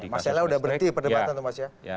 marcella sudah berhenti perdebatan itu mas ya